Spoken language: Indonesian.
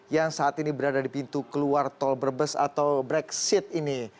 yang saat ini berada di pintu keluar tol brebes atau brexit ini